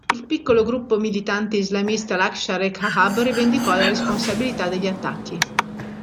Il piccolo gruppo militante islamista Lashkar-e-Qahab rivendicò la responsabilità degli attacchi.